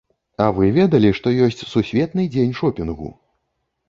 А вы ведалі, што ёсць сусветны дзень шопінгу?